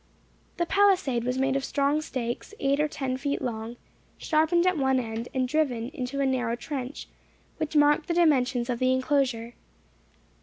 The palisade was made of strong stakes, eight or ten feet long, sharpened at one end, and driven into a narrow trench, which marked the dimensions of the enclosure.